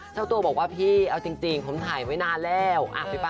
เช้าตัวบอกว่าพี่เอาจริงผมถ่ายไม่นานแล้ว